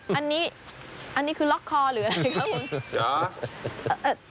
เดี๋ยวอันนี้คือล็อคคอเหรอครับ